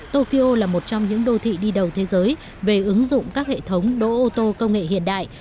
tokyo là một trong những đô thị đi đầu thế giới về ứng dụng các hệ thống đỗ ô tô công nghệ hiện đại